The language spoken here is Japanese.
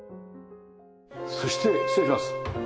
そして失礼します。